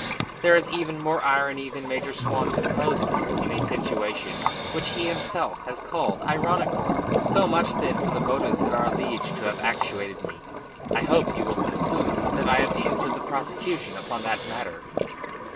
There is even more irony than Major Swan supposes in a situation which himself has called ironical. "So much, then, for the motives that are alleged to have actuated me. I hope you will conclude that I have answered the prosecution upon that matter.